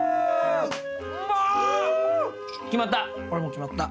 決まった。